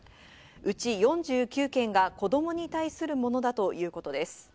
うち４９件が子供に対するものだということです。